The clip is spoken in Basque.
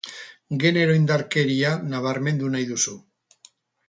Genero indarkeria nabarmendu nahi duzu.